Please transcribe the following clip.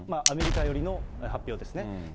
アメリカ寄りの発表ですね。